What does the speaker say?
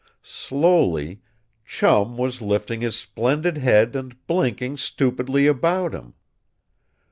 Slowly Chum was lifting his splendid head and blinking stupidly about him!